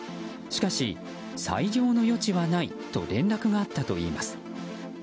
しかし、裁量の余地はないと連絡があったといいます。